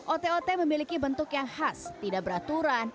ote ote memiliki bentuk yang khas tidak beraturan